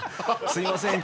すいません